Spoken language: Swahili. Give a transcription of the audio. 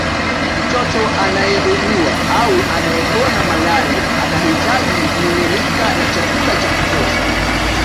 Mtoto anayeugua au anayepona malaria anahitaji vimiminika na chakula cha kutosha